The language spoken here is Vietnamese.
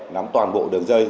nắm toàn bộ đường dây